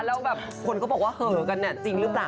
แล้วแบบคนก็บอกว่าเหอะกันจริงหรือเปล่า